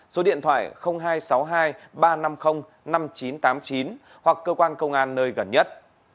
số điện thoại hai trăm sáu mươi hai ba trăm năm mươi năm nghìn chín trăm tám mươi chín hoặc cơ quan công an nơi gần nhất